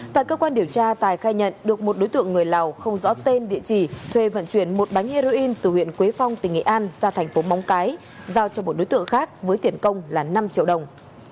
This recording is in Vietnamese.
tại cơ quan điều tra tài khai nhận được một đối tượng người lào không rõ tên địa chỉ thuê vận chuyển một bánh heroin từ huyện quế phong tỉnh nghệ an ra thành phố móng cái giao cho một đối tượng khác với tiền công là năm triệu đồng